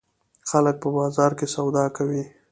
خلک په بازار کې سودا کوي.